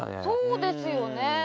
そうですよね